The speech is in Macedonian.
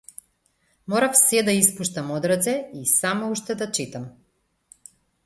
Морав сѐ да испуштам од раце и само уште да читам.